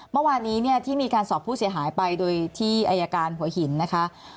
เมื่อวานนี้เนี่ยที่มีการสอบผู้เสียหายไปโดยที่อายการหัวหินนะคะ